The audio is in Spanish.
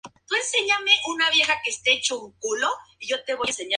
Ello le hizo perder a Webber el liderato en favor de Fernando Alonso.